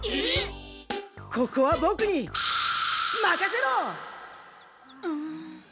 ここはボクにまかせろ！